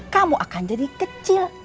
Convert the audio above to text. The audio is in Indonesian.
kamu akan jadi kecil